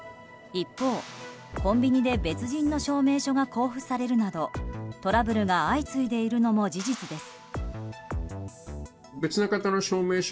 一方、コンビニで別人の証明書が交付されるなどトラブルが相次いでいるのも事実です。